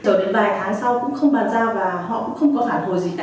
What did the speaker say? rồi đến vài tháng sau cũng không bàn giao và họ cũng không có phản hồi gì cả